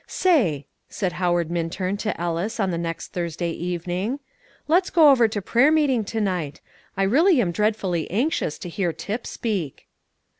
"Say," said Howard Minturn to Ellis on the next Thursday evening, "let's go over to prayer meeting to night. I really am dreadfully anxious to hear Tip speak."